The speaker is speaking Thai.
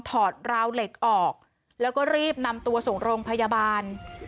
อดราวเหล็กออกแล้วก็รีบนำตัวส่งโรงพยาบาล